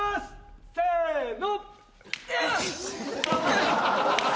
せの。